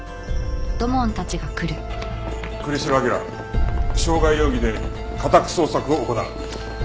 栗城明良傷害容疑で家宅捜索を行う。